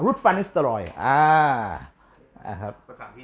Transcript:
อรุษฟานิสเตอรอยอ่าอ่าครับ